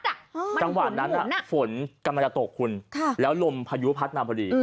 จังหวะนั้นฝนกำลังจะตกคุณแล้วลมพายุพัดมาพอดี